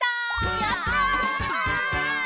やった！